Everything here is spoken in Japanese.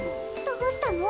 どうしたの？